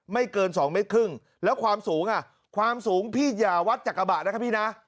เกินสองเมตรครึ่งแล้วความสูงอ่ะความสูงพี่อย่าวัดจากกระบะนะคะพี่นะ